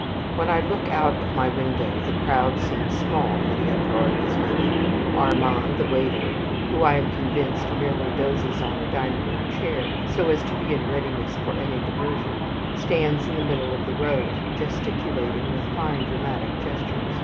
When I look out of my window, the crowd seems small for the uproar it is making. Armand, the waiter, who, I am convinced, merely dozes on a dining room chair, so as to be in readiness for any diversion, stands in the middle of the road, gesticulating with fine dramatic gestures.